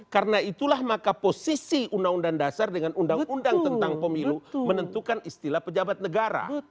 karena itulah maka posisi undang undang dasar dengan undang undang tentang pemilu menentukan istilah pejabat negara